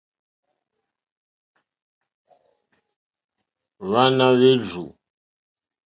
Hwáná hwèrzù.